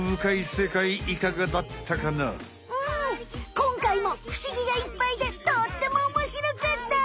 こんかいもふしぎがいっぱいでとってもおもしろかった！